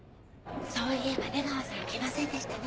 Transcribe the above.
そういえば出川さん来ませんでしたね。